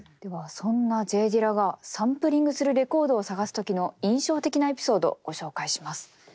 そんなＪ・ディラがサンプリングするレコードを探す時の印象的なエピソードご紹介します。